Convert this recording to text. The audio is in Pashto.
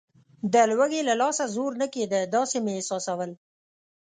د لوږې له لاسه زور نه کېده، داسې مې احساسول.